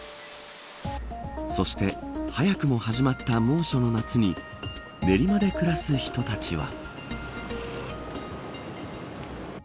そして早くも始まった猛暑の夏に練馬で暮らす人たちは。